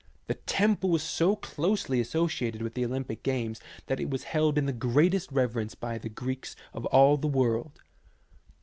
The temple was so closely associated with the Olympic games that it was held in the greatest reverence by the Greeks of all the world.